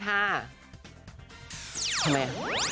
ทำไม